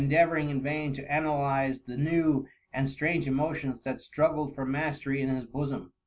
deavouring in vain to analyze the new and strange emotions that struggled for mastery in his bosom.